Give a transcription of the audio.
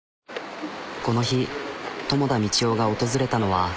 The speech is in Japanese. この日友田美千代が訪れたのは。